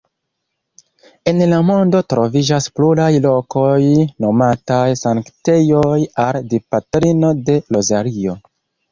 En la mondo troviĝas pluraj lokoj nomataj sanktejoj al Dipatrino de Rozario.